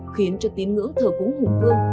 khiến cho tín ngưỡng thờ cúng khủng vương